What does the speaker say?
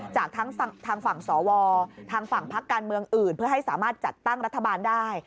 จากทางฝั่งสวทางฝั่งพักการเมืองอื่นเพื่อให้สามารถจัดตั้งรัฐบาลได้